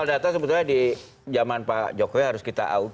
kalau data sebetulnya di zaman pak jokowi harus kita out